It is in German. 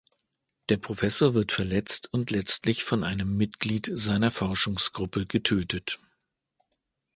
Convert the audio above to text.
Der Professor wird verletzt und letztlich von einem Mitglied seiner Forschungsgruppe getötet.